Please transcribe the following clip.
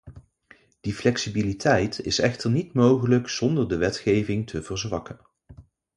Die flexibiliteit is echter niet mogelijk zonder de wetgeving te verzwakken.